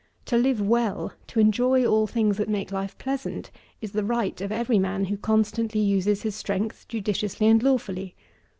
To live well, to enjoy all things that make life pleasant, is the right of every man who constantly uses his strength judiciously and lawfully.